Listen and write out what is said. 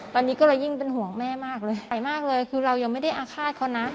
ตอนนี้ก็เลยยิ่งเป็นห่วงแม่มากเลยคือเรายังไม่ได้อาฆาตเขานะ